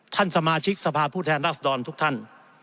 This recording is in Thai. ท่านสมาชิกสภาพผู้แทนรัศดรทุกท่าน